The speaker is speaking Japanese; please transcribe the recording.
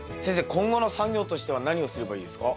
今後の作業としては何をすればいいですか？